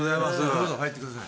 どうぞ入ってください。